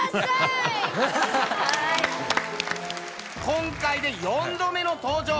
今回で４度目の登場。